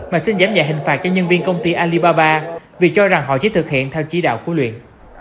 mà xin giảm nhẹ hình phạt cho nhân viên công ty alibaba vì cho rằng họ chỉ thực hiện theo chỉ đạo của luyện